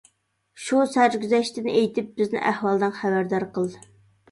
شۇ سەرگۈزەشتىنى ئېيتىپ، بىزنى ئەھۋالدىن خەۋەردار قىل!